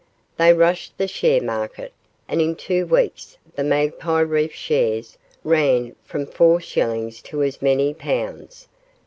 They rushed the share market, and in two weeks the Magpie Reef shares ran from four shillings to as many pounds.